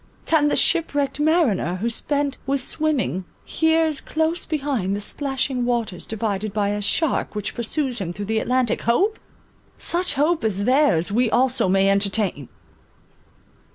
Can the ship wrecked mariner, who spent with swimming, hears close behind the splashing waters divided by a shark which pursues him through the Atlantic, hope? Such hope as theirs, we also may entertain!